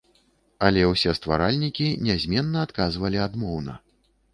Але ўсе стваральнікі нязменна адказвалі адмоўна.